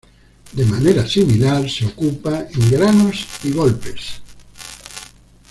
De manera similar se ocupa en granos y golpes.